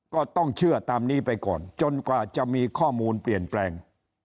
ก็ต้องเชื่อตามนี้ไปก่อนจนกว่าจะมีข้อมูลเปลี่ยนแปลง